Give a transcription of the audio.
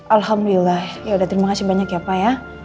alhamdulillah yaudah terima kasih banyak ya pak ya